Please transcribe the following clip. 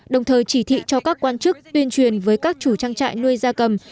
đồng thời chỉ thị cho các quan chức tuyên truyền với các chủ trang trại nuôi gia cầm